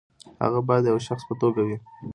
هغه باید د یوه شخص په توګه وي.